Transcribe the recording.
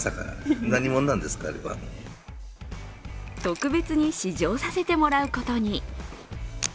特別に試乗させてもらうことに。